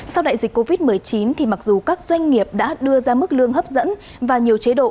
sau đại dịch covid một mươi chín thì mặc dù các doanh nghiệp đã đưa ra mức lương hấp dẫn và nhiều chế độ